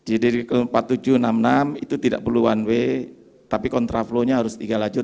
tujuh ratus enam puluh enam itu tidak perlu one way tapi contraflow nya harus tiga lajut